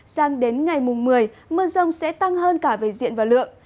sang đến ngày mùng một mươi mưa rông sẽ tăng hơn cả về diện và lượng